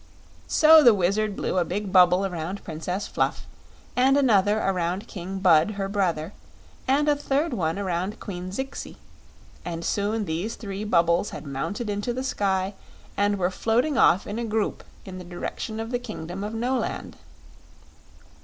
So the Wizard blew a big bubble around Princess Fluff, and another around King Bud, her brother, and a third one around Queen Zixi; and soon these three bubbles had mounted into the sky and were floating off in a group in the direction of the kingdom of Noland.